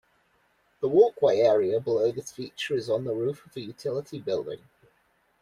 The walkway area below this feature is on the roof of a utility building.